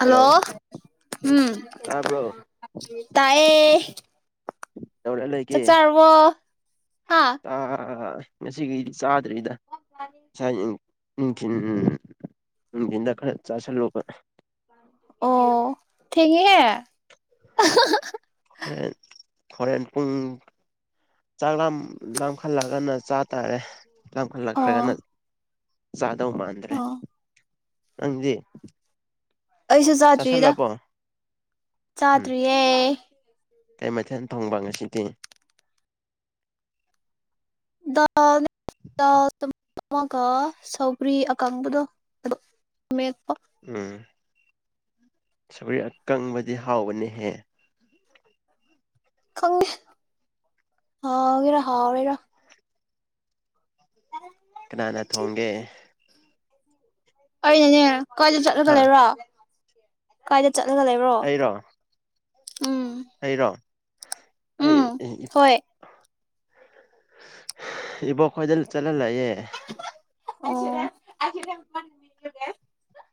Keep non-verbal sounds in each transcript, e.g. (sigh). hello ꯎꯝ ꯇꯥꯕ꯭ꯔꯣ ꯇꯥꯏꯌꯦ ꯀꯩ ꯇꯧꯔ ꯂꯩꯒꯦ ꯑꯣ ꯍꯥ ꯑꯥ ꯉꯁꯤꯒꯤꯗꯤ ꯆꯥꯗ꯭ꯔꯤꯗ (unintelligible) ꯅꯨꯡꯊꯤꯟ ꯅꯨꯡꯊꯤꯟꯗ ꯈꯔ ꯆꯥꯥꯁꯜꯂꯣ ꯑꯣ ꯊꯦꯡꯉꯦꯍꯦ ꯍꯣꯔꯦꯟ ꯍꯣꯔꯦꯟ ꯄꯨꯡ ꯆꯥꯛ ꯂꯝꯈꯠꯂꯛꯒꯅ ꯆꯥ ꯍꯥꯏ ꯇꯔꯦ ꯑꯣ ꯌꯥꯝꯈꯠꯂꯛꯇ꯭ꯔꯒꯅ ꯆꯥꯗꯧ ꯃꯥꯟꯗ꯭ꯔꯦ ꯑꯣ ꯅꯪꯗꯤ ꯑꯩꯁꯨ ꯆꯥꯠꯗ꯭ꯔꯤꯗ ꯆꯥꯁꯜꯂꯕꯣ ꯎꯝ ꯆꯥꯠꯗ꯭ꯔꯤꯌꯦ ꯀꯩ ꯃꯊꯦꯜ ꯊꯣꯡꯕ ꯉꯁꯤꯗꯤ ꯗ ꯀꯥ ꯁꯧꯕꯔꯤ ꯑꯀꯪꯕꯗꯣ ꯃꯦꯠꯄꯥ ꯎꯝ ꯁꯧꯒ꯭ꯔꯤ ꯑꯀꯪꯕꯗꯤ ꯍꯥꯎꯕꯅꯤꯍꯦ ꯈꯪꯗꯦ ꯍꯥꯎꯋꯤꯔ ꯍꯥꯎꯋꯤꯔ ꯀꯅꯥꯅ ꯊꯣꯡꯒꯦ ꯑꯩꯅꯅꯦ ꯀꯥꯏꯗ ꯆꯠꯂꯒ ꯍꯥ ꯂꯩꯔꯣ ꯀꯥꯏꯗ ꯆꯠꯂꯒ ꯂꯩꯔꯣ ꯑꯩꯔꯣ ꯎꯝ ꯑꯩꯔꯣ ꯑꯩ ꯎꯝ ꯍꯣꯏ ꯏꯕꯣꯛ ꯈꯣꯏꯗ ꯆꯠꯍꯜꯂꯛꯑꯦ ꯑꯣ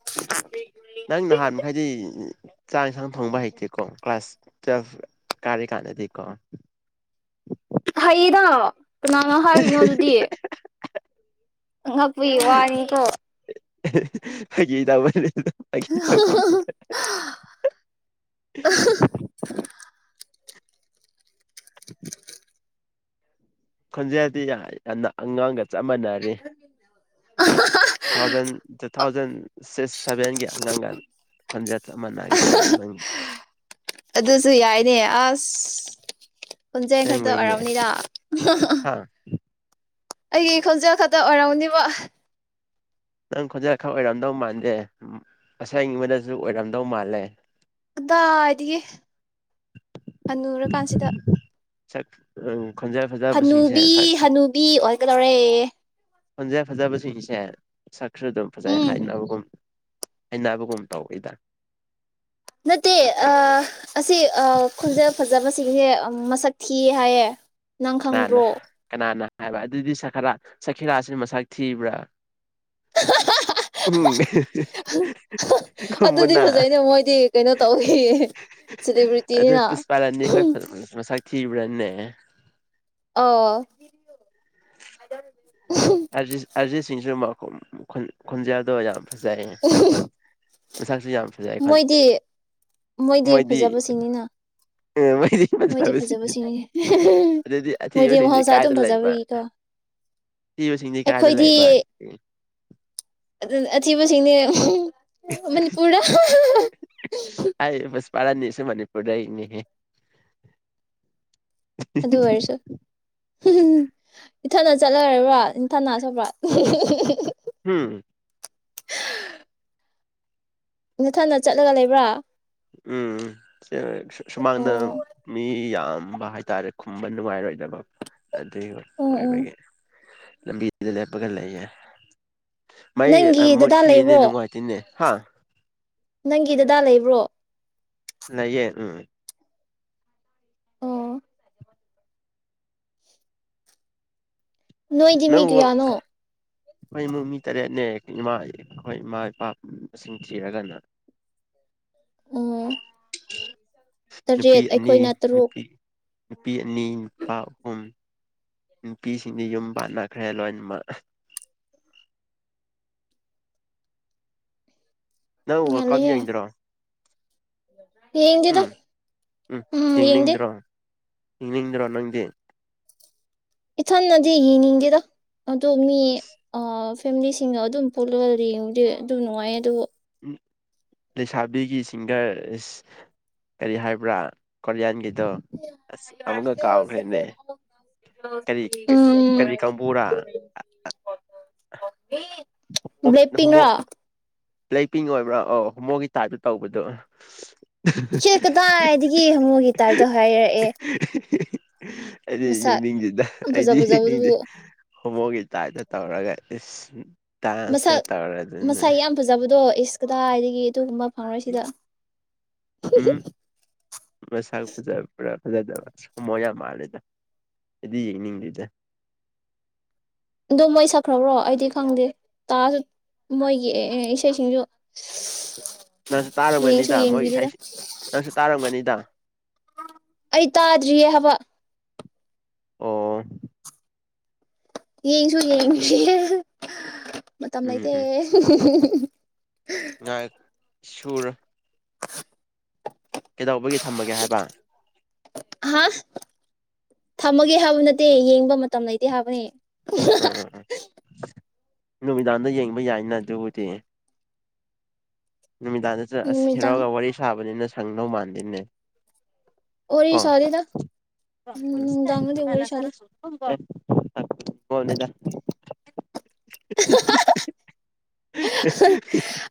(inaudible) ꯅꯪ ꯅꯍꯥꯟꯃꯈꯩꯗꯤ ꯆꯥꯛ ꯌꯦꯟꯁꯥꯡ ꯊꯪꯕ ꯍꯩꯇꯦꯀꯣ ꯀ꯭ꯂꯥꯁ ꯇꯨꯌꯦꯜꯐ ꯀꯥꯔꯤ ꯀꯥꯟꯗꯗꯤꯀꯣ ꯍꯩꯗ ꯀꯅꯥꯅ ꯍꯥꯏꯔꯤꯅꯣ ꯑꯗꯨꯗꯤ ꯑꯉꯛꯄꯒꯤ ꯋꯥꯅꯤꯀꯣ ꯐꯒꯤ ꯇꯧꯕꯅꯤꯗ ꯐꯒꯤ ꯇꯧꯕ (unintelligible) (inaudible) ꯈꯣꯟꯖꯦꯜꯗꯤ ꯌꯥꯝꯅ ꯑꯉꯥꯡꯒ ꯆꯞ ꯃꯥꯟꯅꯔꯦ (unintelligible) two thousand two thousand six ꯁꯚꯦꯟꯒꯤ ꯑꯉꯥꯡꯒꯥ ꯈꯣꯟꯖꯦꯜ ꯆꯞ ꯃꯅꯥꯒꯦ ꯇꯧꯔꯦ ꯅꯪꯒ ꯑꯗꯨꯁꯨ ꯌꯥꯏꯅꯦ ꯑꯁ ꯄꯨꯟꯖꯩ ꯈꯛꯇ ꯑꯁꯦꯡꯕꯩꯅꯦ ꯑꯣꯏꯔꯝꯅꯤꯗ ꯍꯥ ꯑꯩꯒꯤ ꯈꯣꯟꯖꯦꯜ ꯈꯛꯇ ꯑꯣꯏꯔꯝꯅꯤꯕꯣ ꯅꯪ ꯈꯣꯟꯖꯦꯜ ꯈꯛ ꯑꯣꯏꯔꯝꯗꯧ ꯃꯥꯟꯗꯦ ꯑꯁꯦꯡꯕꯗꯁꯨ ꯑꯣꯏꯔꯝꯗꯧ ꯃꯥꯜꯂꯦ ꯑꯗꯥꯏꯗꯒꯤ ꯍꯟꯅꯨꯔꯀꯥꯟꯁꯤꯗ ꯆꯠ ꯎꯝ ꯈꯣꯟꯖꯦꯜ ꯐꯖꯩ ꯍꯅꯨꯕꯤ ꯍꯅꯨꯕꯤ ꯑꯣꯏꯒꯗꯧꯔꯦ ꯈꯣꯟꯖꯦ ꯐꯖꯕꯁꯤꯡ ꯁꯤꯡꯁꯦ ꯁꯛꯁꯨ ꯑꯗꯨꯝ ꯐꯖꯩ ꯎꯝ ꯍꯥꯏꯅꯕꯒꯨꯝ ꯍꯅꯕꯒꯨꯝꯕ ꯇꯧ ꯏꯗ ꯅꯠꯇꯦ ꯑꯁꯤ ꯈꯨꯟꯖꯦꯜ ꯐꯖꯕꯁꯤꯡꯁꯦ ꯃꯁꯛ ꯊꯤꯌꯦ ꯍꯥꯏꯌꯦ ꯅꯪ ꯀꯅꯥꯅ ꯈꯪꯗ꯭ꯔꯣ ꯀꯅꯥꯅ ꯍꯥꯏꯕ ꯑꯗꯨꯗꯤ ꯁꯔꯈꯥꯂꯥ ꯁꯈꯤꯔꯥꯁꯤ ꯃꯁꯛ ꯊꯤꯕ꯭ꯔꯥ ꯎꯝ ꯑꯗꯨꯗꯤ ꯈꯨꯝꯃꯨꯅ ꯐꯖꯩꯅꯦ ꯃꯣꯏꯗꯤ ꯀꯩꯅꯣ ꯇꯧꯕꯒꯤ ꯑꯗꯨ ꯄꯨꯁꯄꯥꯔꯅꯤ ꯈꯣꯏ ꯃꯁꯛ ꯊꯤꯕ꯭ꯔꯥꯅꯦ ꯑꯣ ꯑꯔ ꯑꯔꯖꯤꯠꯁꯤꯡꯁꯨ ꯈꯟꯖꯦꯜꯌꯥꯗꯣ ꯐꯖꯩ ꯃꯁꯥꯛꯁꯨ ꯌꯥꯝ ꯐꯖꯩ ꯃꯣꯏꯗꯤ ꯃꯣꯏꯗꯤ ꯐꯖꯕꯁꯤꯡꯅꯤꯅ ꯎ ꯃꯩꯇꯩ ꯃꯣꯏꯗꯤ ꯃꯆꯥꯕꯁꯤꯡ ꯐꯖꯕꯁꯤꯡꯅꯤ ꯑꯗꯨꯗꯤ ꯃꯣꯏꯗꯤ ꯑꯊꯤꯕꯁꯤꯡꯁꯤ ꯃꯍꯧꯁꯥ ꯑꯗꯨꯝ ꯀꯥꯏꯗ ꯂꯩꯕ ꯐꯖꯕꯒꯤꯀꯣ (unintelligible) ꯑꯩꯈꯣꯏꯗꯤ ꯂꯩꯕ ꯑꯊꯤꯕꯁꯤꯡꯅꯦ ꯃꯅꯤ ꯄꯨꯔꯗ ꯑꯁ ꯄꯨꯄꯄꯥꯔꯅꯤꯁꯨ ꯃꯅꯤꯄꯨꯔ ꯗꯩꯅꯦꯍꯦ ꯑꯗꯨ ꯑꯣꯏꯔꯁꯨ (unintelligible) ꯎꯝ ꯅꯊꯟꯅ ꯆꯠꯂꯒ ꯂꯩꯕ꯭ꯔꯥ ꯎꯝ ꯑꯣ ꯁꯨꯃꯥꯡꯗ ꯑꯗꯨꯝ ꯃꯤ ꯌꯥꯝꯕ ꯍꯥꯏꯇꯥꯔꯦ ꯈꯨꯝꯕ ꯅꯨꯡꯉꯥꯏꯔꯣꯏꯗꯕ ꯑꯗꯨ ꯎꯝ ꯎꯝ ꯑꯣꯏꯕꯒꯤ ꯂꯝꯕꯤꯗ ꯂꯦꯞꯄꯒ ꯂꯩꯌꯦ ꯃꯩ ꯅꯪꯒꯤ ꯗꯗꯥ ꯃꯨꯈꯤꯅꯤ ꯂꯩꯕ꯭ꯔꯣ ꯅꯨꯉꯥꯏꯇꯦꯅꯦ ꯍꯥ ꯅꯪꯒꯤ ꯗꯗꯥ ꯂꯩꯕ꯭ꯔꯣ ꯅꯩꯌꯦ ꯎꯝ ꯑꯣ ꯅꯣꯏꯗꯤ ꯃꯤ ꯀꯌꯥꯅꯣ (unintelligible) ꯑꯩꯈꯣꯏ ꯏꯃꯨꯡ ꯃꯤ ꯇꯔꯦꯠꯅꯦ ꯏꯃꯥ ꯑꯩꯈꯣꯏ ꯏꯃꯥ ꯏꯄꯥ ꯃꯁꯤꯡ ꯊꯤꯔꯒꯅ ꯑꯣ ꯅꯨꯄꯤ ꯇꯔꯦꯠ ꯑꯅꯤ ꯑꯩꯈꯣꯏꯅ ꯇꯔꯨꯛ ꯅꯨꯄꯤ ꯅꯨꯄꯤ ꯑꯅꯤ ꯅꯨꯄꯥ ꯑꯍꯨꯝ ꯅꯨꯄꯤꯁꯤꯡꯗꯤ ꯌꯨꯝ ꯄꯥꯟꯅꯈ꯭ꯔꯦ ꯂꯣꯏꯅꯃꯛ ꯅꯪ ꯋꯥꯜꯀꯞ ꯌꯦꯡꯗꯔꯣ ꯌꯦꯡ ꯎꯝ ꯎꯝ ꯌꯦꯡꯅꯤꯡꯗ꯭ꯔꯣ ꯌꯦꯡꯅꯤꯡꯗ꯭ꯔꯣ ꯅꯪꯗꯤ ꯏꯊꯟꯅꯗꯤ ꯌꯦꯅꯤꯡꯗꯦꯗ ꯑꯗꯣ ꯃꯤꯑꯥ ꯐꯦꯃꯤꯂꯤꯁꯤꯡꯅ ꯑꯗꯨꯝ ꯄꯨꯂꯒ ꯌꯦꯡꯉꯗꯤ ꯑꯗꯨꯝ ꯅꯨꯡꯉꯥꯏꯌꯦ ꯑꯗꯨꯕꯨ ꯂꯩꯁꯥꯕꯤꯒꯤ ꯁꯤꯡꯒꯔ ꯀꯔꯤ ꯍꯥꯏꯕ꯭ꯔꯥ ꯀꯣꯔꯤꯌꯥꯟꯒꯤꯗꯣ ꯑꯁ ꯑꯃꯨꯛꯒ ꯀꯥꯎꯈ꯭ꯔꯦꯅꯦ ꯀꯔꯤ ꯀꯔꯤ ꯀꯥꯡꯕꯨꯔꯥ ꯕ꯭ꯂꯦꯞ ꯄꯤꯡꯔꯣ ꯕꯂꯦꯛꯄꯤꯡ ꯑꯣꯏꯕ꯭ꯔꯥ ꯑ ꯍꯣꯃꯣꯒꯥ ꯇꯥꯏꯞꯇ ꯇꯧꯕꯗꯣ ꯆꯦ ꯀꯗꯥꯏꯗꯒꯤ ꯍꯣꯃꯣꯒꯤ ꯇꯥꯏꯞꯇ ꯍꯥꯏꯔꯛꯑꯦ ꯑꯩꯗꯤ ꯃꯁꯛ ꯌꯦꯡꯅꯤꯡꯗꯦꯗ ꯌꯥꯝ ꯐꯖ ꯑꯩꯗꯤ ꯌꯦꯡꯅꯤꯡꯗꯦ ꯐꯖꯕꯗꯨꯕꯨ ꯍꯣꯃꯣꯒꯤ ꯇꯥꯏꯞꯇ ꯇꯧꯔꯒ ꯏꯁ ꯗꯥꯟꯁꯀ ꯃꯁꯛ ꯇꯧꯔ ꯗꯅ ꯃꯁꯛ ꯌꯥꯝ ꯐꯖꯕꯗꯣ ꯏꯁ ꯀꯗꯥꯢꯗꯒꯤ ꯑꯗꯨꯒꯨꯝꯕ ꯄꯥꯔꯣꯏꯁꯤꯗ ꯎꯝ ꯃꯁꯛ ꯐꯖꯕ꯭ꯔꯥ ꯐꯖꯗꯕ꯭ꯔꯥ ꯍꯣꯃꯣ ꯌꯥꯝ ꯃꯥꯜꯂꯦꯗ ꯑꯩꯗꯤ ꯌꯦꯡꯅꯤꯡꯗꯦꯗ ꯑꯗꯣ ꯃꯣꯏ ꯁꯛꯈ꯭ꯔꯕ꯭ꯔꯣ ꯑꯩꯗꯤ ꯈꯪꯗꯦ ꯇꯥꯁꯨ ꯃꯣꯏꯒꯤ ꯑꯦ ꯑꯦ ꯏꯁꯩꯁꯤꯡꯖꯨ ꯅꯪꯁꯨ ꯇꯥꯔꯝꯒꯅꯤꯗ ꯃꯣꯏ ꯏꯁꯩ ꯌꯦꯡꯕꯤꯗꯦꯗ ꯅꯪꯁꯨ ꯇꯥꯔꯝꯒꯅꯤꯗ ꯑꯩ ꯇꯥꯗ꯭ꯔꯤꯌꯦ ꯍꯥꯕ ꯑꯣ ꯌꯦꯡꯁꯨ ꯌꯦꯡꯗ꯭ꯔꯤꯌꯦ ꯃꯇꯝ ꯎꯝ ꯂꯩꯇꯦ ꯎꯝ (unintelligible) ꯉꯥꯏ ꯁꯨꯔ ꯀꯩꯗꯧꯕꯒꯤ ꯊꯝꯃꯒꯦ ꯍꯥꯏꯕ ꯍꯥ ꯊꯝꯃꯒꯦ ꯍꯥꯏꯕ ꯅꯠꯇꯦ ꯌꯦꯡꯕ ꯃꯇꯝ ꯂꯩꯇꯦ ꯍꯥꯏꯕꯅꯦ ꯎꯝ ꯎꯝ ꯎꯝ ꯅꯨꯃꯤꯗꯥꯡꯗ ꯌꯦꯡꯕ ꯌꯥꯏꯅ ꯑꯗꯨꯕꯨꯗꯤ ꯅꯨꯃꯤꯗꯥꯡꯗ ꯆꯠ ꯑꯁ ꯅꯨꯃꯤꯗꯥꯡ ꯍꯦꯔꯣꯒ ꯋꯥꯔꯤ ꯁꯥꯕꯅꯤꯅ ꯁꯪꯗꯧ ꯃꯥꯟꯗꯦꯅꯦ ꯋꯥꯔꯤ ꯀꯣ ꯁꯥꯗꯦꯗ ꯎꯝ ꯅꯨꯡꯗꯥꯡꯗꯗꯤ ꯋꯥꯔꯤ ꯁꯥꯗꯦ (unintelligible) (unintelligible)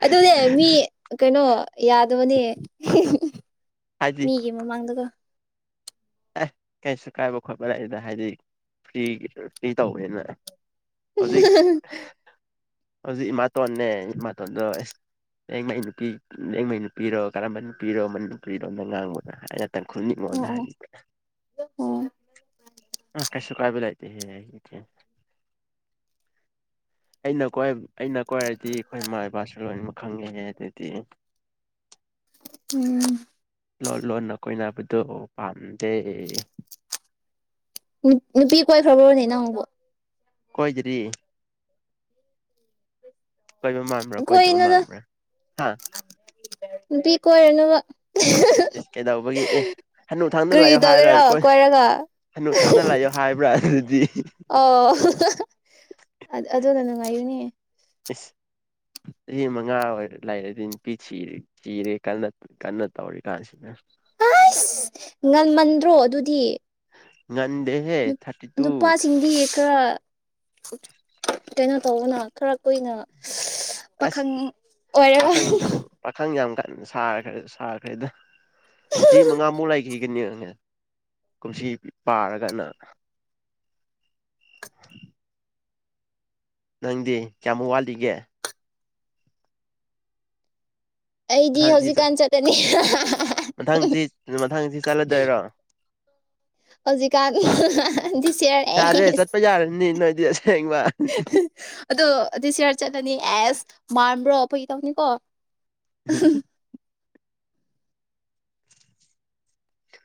ꯑꯗꯨꯅꯦ ꯃꯤ ꯀꯩꯅꯣ ꯌꯥꯗꯕꯅꯦ (unintelligible) ꯍꯥꯏꯗꯤ ꯃꯤꯒꯤ ꯃꯃꯥꯡꯗꯀꯣ ꯑꯦ ꯀꯩꯁꯨ ꯀꯥꯏꯕ ꯈꯣꯠꯄ ꯂꯩꯗ ꯍꯥꯏꯗꯤ ꯐ꯭ꯔꯤꯒꯤ ꯐ꯭ꯔꯤ ꯇꯧꯕꯅꯤꯅ ꯍꯧꯖꯤꯛ ꯍꯧꯖꯤꯛ ꯏꯃꯥꯇꯣꯟꯅꯦ ꯏꯃꯥꯇꯣꯟꯗꯣ ꯑꯦꯡ ꯃꯥꯏ ꯅꯨꯄꯤ ꯑꯦꯡ ꯃꯥꯏ ꯅꯨꯄꯤꯔꯣ ꯀꯔꯝꯕ ꯅꯨꯄꯤꯔꯣ ꯃꯅꯤꯄꯨꯔꯤ ꯂꯣꯟꯗ ꯉꯥꯡꯕ ꯉꯁꯥꯏꯅ ꯇꯥꯡꯈꯨꯟꯅꯤꯛ ꯑꯣ ꯃꯣꯜꯅ ꯑꯣ ꯍꯥꯏꯕꯅꯤ ꯑꯣ ꯑ ꯀꯩꯁꯨ ꯀꯥꯏꯕ ꯂꯥꯏꯇꯦꯍꯦ ꯑꯩꯒꯤꯗꯤ ꯑꯩꯅ ꯀꯣꯢ ꯑꯩꯅ ꯀꯣꯏꯔꯗꯤ ꯑꯩꯈꯣꯏ ꯏꯃꯥ ꯏꯄꯥꯁꯨ ꯂꯣꯏꯅꯃꯛ ꯈꯪꯉꯦꯍꯦ ꯑꯗꯨꯗꯤ (inaudible) ꯎꯝ ꯂꯣꯟ ꯂꯣꯟꯅ ꯀꯣꯏꯅꯕꯗꯣ ꯄꯥꯝꯗꯦ ꯅꯨꯞ ꯅꯨꯄꯤ ꯀꯣꯏꯈ꯭ꯔꯕꯣꯅꯦ ꯅꯪꯕꯣ ꯀꯣꯏꯗꯔꯤ ꯀꯣꯢꯕ ꯃꯥꯟꯕ꯭ꯔꯥ ꯀꯣꯢꯗꯕ ꯀꯣꯏꯅꯨꯗ ꯃꯥꯟꯕ꯭ꯔꯥ ꯍꯥ ꯅꯨꯄꯤ ꯀꯣꯏꯔꯅꯨꯕ (unintelligible) ꯏꯁ ꯀꯩꯗꯧꯕꯒꯤ ꯑꯦ ꯍꯅꯨꯊꯡꯗ ꯀꯔꯤ ꯂꯩꯌꯣ ꯍꯥꯏꯔꯣ ꯇꯧꯒꯦꯔꯣ ꯀꯣꯏ ꯀꯣꯏꯔꯒ ꯍꯅꯨꯊꯪꯗ ꯂꯩꯌꯣ ꯍꯥꯏꯕ꯭ꯔꯥ ꯑꯗꯨꯗꯤ ꯑꯣ (unintelligible) ꯑ ꯑꯗꯨꯅ ꯅꯨꯡꯉꯥꯏꯒꯅꯤ ꯏꯁ ꯆꯍꯤ ꯃꯉꯥ ꯑꯣꯏꯔ ꯂꯩꯔꯗꯤ ꯅꯨꯄꯤ ꯊꯤꯔꯦ ꯊꯤꯔꯒꯦ ꯈꯟꯅ ꯀꯟꯅ ꯇꯧꯔꯤ ꯀꯥꯟꯁꯤꯗ ꯑꯩꯁ ꯉꯟꯃꯟꯗ꯭ꯔꯣ ꯑꯗꯨꯗꯤ ꯉꯟꯗꯦꯍꯦ ꯅꯨꯞ ꯊꯥꯔꯇꯤ ꯇꯨ ꯅꯨꯄꯥꯁꯤꯡꯗꯤ ꯈꯔ ꯀꯩꯅꯣ ꯇꯧꯕꯅ ꯈꯔ ꯀꯨꯏꯅ ꯑꯁ ꯄꯥꯈꯪ ꯑꯣꯏꯔꯔꯣꯢ ꯄꯥꯈꯪ (unintelligible) ꯄꯥꯈꯪ ꯌꯥꯝ ꯀꯟ ꯁꯥꯈ꯭ꯔꯦ ꯁꯥꯈ꯭ꯔꯦꯗ ꯆꯍꯤ ꯃꯉꯥꯃꯨꯛ ꯂꯩꯈꯤꯒꯅꯤꯉꯦ ꯀꯨꯝꯁꯤ ꯄꯥꯔꯒꯅ (inaudible) ꯅꯪꯗꯤ ꯀꯌꯥꯃꯨꯛ ꯋꯥꯠꯂꯤꯒꯦ ꯑꯩꯗꯤ ꯍꯧꯖꯤꯛꯀꯥꯟ ꯆꯠꯀꯅꯤ ꯍꯥ ꯍꯥ ꯍꯥ ꯃꯊꯪꯁꯤ ꯃꯊꯪꯁꯤ ꯆꯠꯂꯗꯣꯏꯔꯣ ꯍꯧꯖꯤꯀꯥꯟ ꯍꯥ ꯍꯥ ꯍꯥ ꯗꯤꯁ ꯌꯔ ꯑꯦꯁ ꯌꯥꯔꯦ ꯆꯠꯄ ꯌꯥꯔꯅꯤ ꯅꯣꯏꯗꯤ ꯑꯁꯦꯡꯕ (unintelligible) ꯑꯗꯣ ꯗꯤꯁ ꯌꯔ ꯆꯠꯂꯅꯤ ꯑꯦꯁ ꯃꯥꯥꯟꯕ꯭ꯔꯣ ꯐꯒꯤ ꯇꯧꯅꯤꯀꯣ ꯍꯝ ꯎꯝ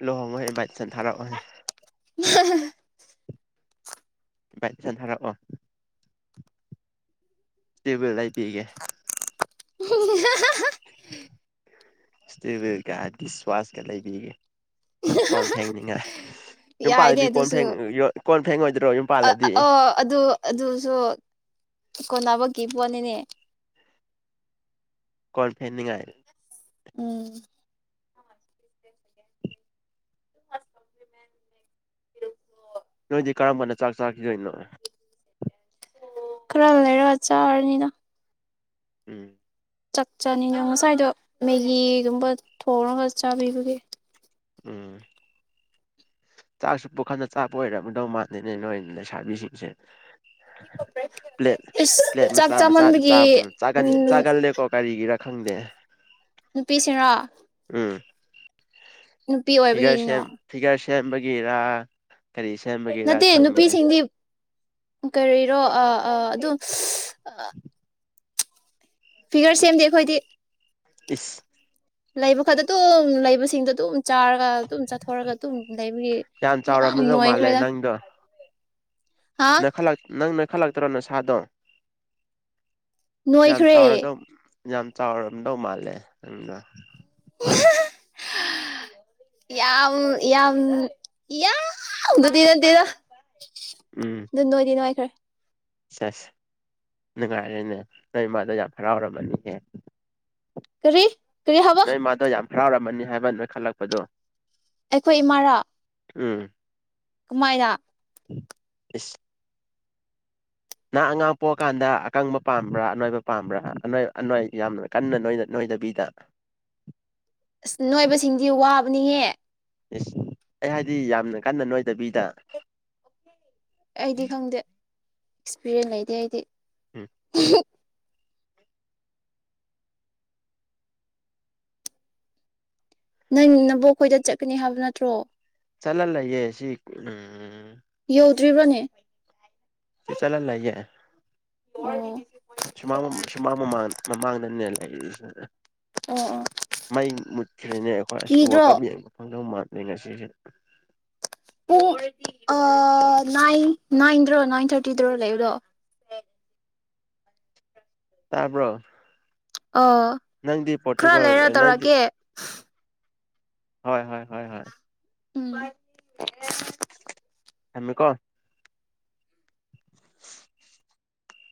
ꯂꯣꯍꯣꯡꯕꯩ ꯏꯟꯕꯥꯏꯠꯁꯟ ꯊꯥꯔꯛꯑꯣꯅꯦ ꯍ ꯍ ꯍ (unintelligible) ꯏꯟꯕꯥꯏꯠꯁꯟ ꯊꯥꯔꯛꯑꯣ ꯇꯦꯕꯜ ꯂꯩꯕꯤꯒꯦ ꯍꯤꯍꯤ ꯍꯥ ꯍꯥ ꯍꯥ (unintelligible) ꯏꯁ꯭ꯇꯤꯋꯤꯜꯒ ꯗꯤꯁꯋꯥꯁꯀ ꯂꯩꯕꯤꯒꯦ ꯀꯣꯟ ꯐꯦꯡꯅꯤꯉꯥꯏ ꯌꯥꯏꯅꯦ ꯌꯨꯝꯄꯥꯜꯗꯤ ꯀꯣꯟ ꯑꯗꯨꯁꯨ ꯐꯦꯡ ꯀꯣꯟ ꯐꯦꯡꯉꯣꯏꯗ꯭ꯔꯣ ꯑ ꯌꯨꯝꯄꯥꯜꯂꯗꯤ ꯑꯣ ꯑꯗꯨ ꯑꯗꯨꯁꯨ ꯀꯣꯟꯅꯕꯀꯤ ꯄꯣꯠꯅꯤꯅꯦ ꯀꯣꯟ ꯐꯦꯡꯅꯤꯉꯥꯏ ꯎꯝ (inaudible) (inaudible) ꯅꯣꯏꯗꯤ ꯀꯔꯝꯕꯅ ꯆꯥꯛ ꯆꯥꯈꯤꯗꯣꯏꯅꯣ ꯈꯔ ꯂꯩꯔ ꯆꯥꯔꯅꯤꯗ ꯎꯝ ꯆꯥꯛ ꯆꯥꯅꯤꯅ ꯉꯁꯥꯏꯗꯣ ꯃꯦꯒꯤꯒꯨꯝꯕ ꯊꯣꯡꯔꯒ ꯆꯥꯕꯤꯕꯒꯤ ꯎꯝ ꯆꯥꯛꯁꯨ ꯄꯨꯈꯝꯗ ꯆꯥꯕ ꯑꯣꯏꯔꯝꯗꯧ ꯃꯥꯥꯟꯗꯦꯅꯦ ꯅꯣꯏ ꯂꯩꯁꯥꯕꯤꯁꯤꯡꯁꯦ ꯄ꯭ꯂꯦꯠ ꯏꯁ ꯄ꯭ꯂꯦꯠ ꯆꯥꯛ ꯃꯆꯥ ꯃꯆꯥꯗ ꯆꯥꯃꯟꯕꯒꯤ ꯆꯥꯒꯨꯝ ꯆꯥꯒꯟ ꯎꯝ ꯆꯥꯒꯜꯂꯦ ꯀꯣ ꯀꯔꯤꯒꯤꯔꯥ ꯈꯪꯗꯦ ꯅꯨꯄꯤꯁꯤꯔꯣ ꯎꯝ ꯐꯤꯒꯔ ꯑꯣꯏꯕꯒꯤꯅꯤꯅꯣ ꯁꯦꯝ ꯐꯤꯒꯔ ꯁꯦꯝꯕꯒꯤꯔꯥ ꯀꯔꯤ ꯁꯦꯝꯕꯒꯦꯔꯥ ꯅꯠꯇꯦ ꯈꯪꯉꯦ ꯅꯨꯄꯤꯁꯤꯡꯗꯤ ꯀꯔꯤꯔꯣ ꯑ ꯑ ꯑꯗꯨ ꯁ (unintelligible) ꯑ ꯐꯤꯒꯔ ꯁꯦꯝꯗꯦ ꯑꯩꯈꯣꯏꯗꯤ ꯏꯁ ꯂꯩꯕ ꯈꯛꯇ ꯑꯗꯨꯝ ꯂꯩꯕꯁꯤꯡꯗꯣ ꯑꯗꯨꯝ ꯆꯥꯔꯒ ꯑꯗꯨꯝ ꯆꯠꯊꯣꯔꯒ ꯑꯗꯨꯝ ꯂꯩꯕꯒꯤ ꯌꯥꯝ ꯆꯥꯎꯔꯝꯃꯗꯧ ꯃꯥꯜꯂꯦ ꯅꯣꯏꯈ꯭ꯔꯦꯗ ꯅꯪꯗꯣ ꯍꯥ ꯅꯣꯏꯈꯠꯂꯛ ꯅꯪ ꯅꯣꯏꯈꯠꯂꯛꯇ꯭ꯔꯣ ꯅꯁꯥꯗꯣ ꯌꯥꯝ ꯅꯣꯏꯈ꯭ꯔꯦ ꯆꯥꯎꯔꯗꯧ ꯌꯥꯝ ꯆꯥꯎꯔꯝꯗꯧ ꯃꯥꯜꯂꯦ ꯅꯪꯗꯣ ꯌꯥꯝ ꯌꯥꯝ ꯌꯥꯝ ꯅꯗꯤ ꯅꯠꯇꯦꯗ (inaudible) ꯎꯝ ꯗꯨ ꯅꯣꯏꯗꯤ ꯅꯣꯏꯈ꯭ꯔꯦ ꯁꯦꯁ ꯅꯨꯡꯉꯥꯏꯔꯦꯅꯦ ꯅꯣꯏ ꯏꯃꯥꯗꯣ ꯌꯥꯝ ꯍꯔꯥꯎꯔꯝꯃꯅꯤꯍꯦ ꯀꯔꯤ ꯀꯔꯤ ꯍꯥꯏꯕ ꯅꯣꯏ ꯃꯥꯗꯣ ꯌꯥꯝ ꯍꯔꯥꯎꯔꯝꯃꯅꯤ ꯍꯥꯏꯕ ꯅꯣꯏꯈꯠꯂꯛꯄꯗꯣ ꯑꯩꯈꯣꯏ ꯏꯃꯥꯔꯣ ꯎꯝ ꯀꯃꯥꯏꯅ ꯏꯁ ꯅꯪ ꯑꯉꯥꯡ ꯄꯣꯛꯑꯀꯥꯟꯗ ꯑꯀꯪꯕ ꯄꯥꯝꯕ꯭ꯔꯥ ꯑꯅꯣꯏꯕ ꯄꯥꯝꯕ꯭ꯔꯥ ꯑꯅ ꯌꯥꯝꯅ ꯀꯟꯅ ꯅꯣꯏꯗꯕꯤꯗ ꯑꯁ ꯅꯣꯏꯕꯁꯤꯡꯗꯤ ꯋꯥꯕꯅꯤꯍꯦ ꯢꯁ ꯑꯩ ꯍꯥꯏꯗꯤ ꯌꯥꯝꯅ ꯀꯟꯅ ꯅꯣꯏꯗꯕꯤꯗ ꯑꯩꯗꯤ ꯈꯪꯗꯦ ꯑꯦꯛꯁꯄꯤꯔꯤꯌꯦꯟ ꯂꯩꯇꯦ ꯑꯩꯗꯤ ꯎꯝ ꯅꯪ ꯅꯕꯣꯛ ꯈꯣꯏꯗ ꯆꯠꯀꯅꯤ ꯍꯥꯏꯕ ꯅꯠꯇ꯭ꯔꯣ ꯆꯠꯂ ꯂꯩꯌꯦ ꯁꯤ ꯑꯝ ꯌꯧꯗ꯭ꯔꯤꯕ꯭ꯔꯅꯦ ꯁꯤ ꯆꯠꯂ ꯂꯩꯑꯦ ꯑꯣ ꯁꯨꯃꯥꯡ ꯁꯨꯃꯥꯡ ꯃꯃꯥꯡ ꯃꯃꯥꯡꯗꯅꯦ ꯂꯩꯔꯤꯁꯦ ꯑꯣ ꯑꯣ ꯃꯩ ꯃꯨꯠꯈ꯭꯭ꯔꯦꯅꯦ ꯑꯩꯈꯣꯏ ꯑꯁ ꯋꯥꯜ ꯀꯤꯗ꯭ꯔꯣ ꯀꯥꯞ ꯌꯦꯡꯕ ꯐꯪꯗꯧ ꯃꯥꯟꯗ꯭ꯔꯦ ꯉꯁꯤꯗꯤ ꯄꯨꯡ ꯅꯥꯏꯟ ꯅꯥꯏꯟꯗ꯭ꯔꯣ ꯅꯥꯏꯟ ꯊꯥꯔꯇꯤꯗꯔꯣ ꯂꯩꯕꯗꯣ ꯇꯥꯕ꯭ꯔꯣ ꯑꯣ ꯅꯪꯗꯤ ꯄꯣꯔꯇꯨꯒꯜ ꯅꯪꯗꯤ ꯍꯣꯏ ꯍꯣꯏ ꯍꯣꯏ ꯍꯣꯏ ꯎꯝ ꯊꯝꯃꯦ ꯀꯣ